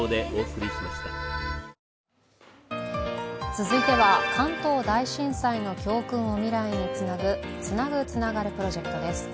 続いては関東大震災の教訓を未来につなぐ「つなぐ、つながるプロジェクト」です。